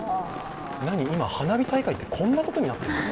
何、今花火大会ってこんなことになってるの？